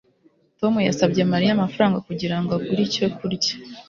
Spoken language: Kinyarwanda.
Tom yasabye Mariya amafaranga kugira ngo agure icyo kurya